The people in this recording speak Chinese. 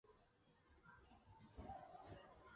少花虾脊兰为兰科虾脊兰属下的一个种。